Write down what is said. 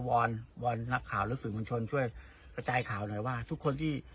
วอนวอนนักข่าวหรือสื่อมวลชนช่วยกระจายข่าวหน่อยว่าทุกคนที่